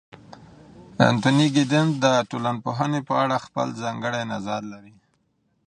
انتوني ګیدنز د ټولنپوهنې په اړه خپل ځانګړی نظر لري.